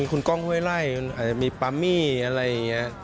คุณก้องห้วยไล่อาจจะมีปามี่อะไรอย่างนี้